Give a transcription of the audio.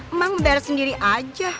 emang bayar sendiri aja